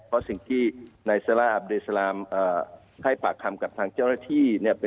เพราะสิ่งที่นายซาล่าอับเดสลามให้ปากคำกับทางเจ้าหน้าที่เนี่ย